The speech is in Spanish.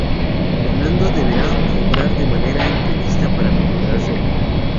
Fernando deberá obrar de manera imprevista para recuperar su amor.